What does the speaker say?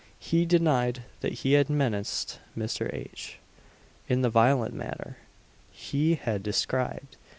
He denied that he had menaced Mr. H. in the violent manner he had described.